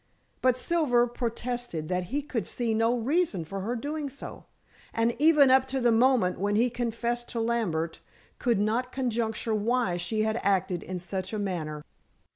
But Silver protested that he could see no reason for her doing so, and even up to the moment when he confessed to Lambert could not conjecture why she had acted in such a manner.